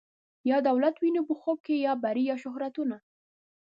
یا دولت وینو په خوب کي یا بری یا شهرتونه